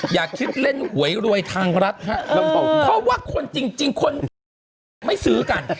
อย่าคิดเล่นหวยรวยทางรัฐฮะเพราะว่าคนจริงคนแถวนั้นไม่ซื้อกัน